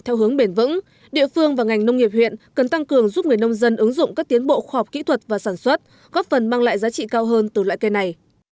theo hướng bền vững địa phương và ngành nông nghiệp huyện cần tăng cường giúp người nông dân ứng dụng các tiến bộ khoa học kỹ thuật và sản xuất góp phần mang lại giá trị cao hơn từ loại cây này